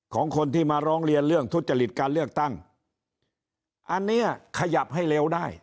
ของคนที่มาร้องเรียนเรื่องทุจริตการเลือกตั้งอันเนี้ยขยับให้เร็วได้